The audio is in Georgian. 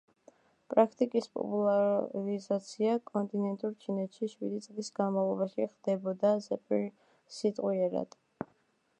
პრაქტიკის პოპულარიზაცია კონტინენტურ ჩინეთში შვიდი წლის განმავლობაში ხდებოდა ზეპირსიტყვიერად.